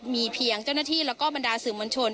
มีเพียงเจ้าหน้าที่แล้วก็บรรดาสื่อมวลชน